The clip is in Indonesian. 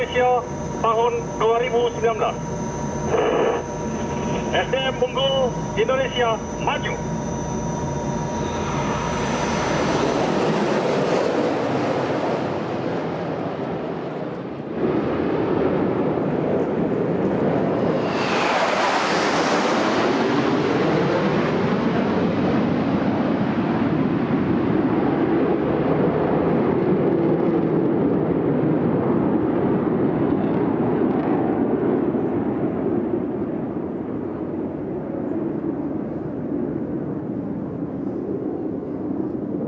mengucapkan selamat ulang tahun ke tujuh puluh empat